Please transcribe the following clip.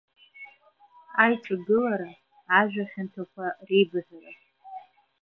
Аиҿагылара, ажәа хьанҭақәа реибыҳәара.